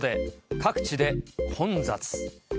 各地で混雑。